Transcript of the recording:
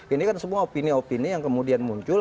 ini kan semua opini opini yang kemudian muncul